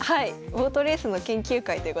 ボートレースの研究会ということで。